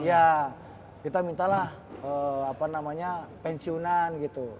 ya kita mintalah apa namanya pensiunan gitu